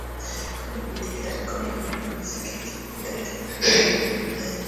Kama kijiti kitatoka bila unga mbichi keki iko tayari